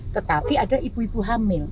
tetapi ada ibu ibu hamil